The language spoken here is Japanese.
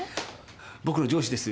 僕の上司です。